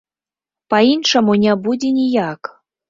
Па-іншаму не будзе ніяк.